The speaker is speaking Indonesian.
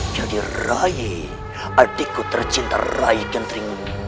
jadi rai adikku tercinta rai gentering